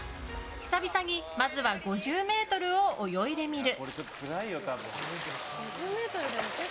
久々に、まずは５０ｍを泳いでみる。